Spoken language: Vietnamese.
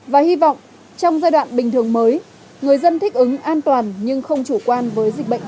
và hy vọng trong giai đoạn bình thường mới người dân thích ứng an toàn nhưng không chủ quan với dịch bệnh covid một mươi chín